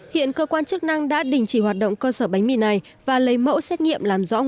hiện cơ quan chức năng đã đình chỉ hoạt động cơ sở bánh mì này và lấy mẫu xét nghiệm làm rõ nguồn gốc